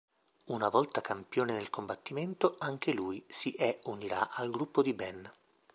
Una volta campione nel combattimento, anche lui si è unirà al gruppo di Ben.